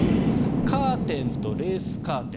カーテンとレースカーテン